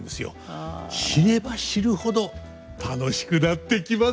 知れば知るほど楽しくなってきますよ！